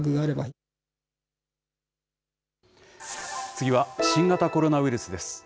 次は、新型コロナウイルスです。